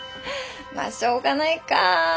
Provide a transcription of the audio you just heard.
まあしょうがないか。